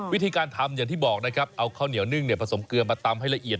วิธีการทำอย่างที่บอกนะครับเอาข้าวเหนียวนึ่งผสมเกลือมาตำให้ละเอียด